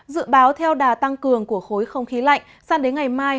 dự báo theo đà tăng cường của khối không khí lạnh sang đến ngày mai